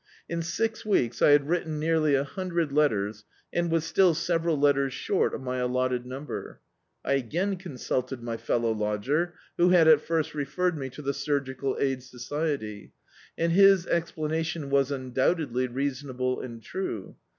In six weeks I had written nearly a hundred letters and was still several letters short of my allot* ted mmiber. I again consulted my fellow lodger, who had at first referred me to the Surgical Aid So ciety, and his explanation was, undoubtedly, reason able and true.